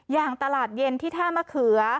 อย่างตลาดเย็นที่ท่ามะเขือ